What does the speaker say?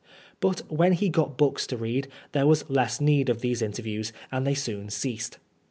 But when he got books to read there was less need of these inter views, and they soon ceased.